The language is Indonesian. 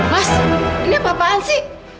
mas ini apa apaan sih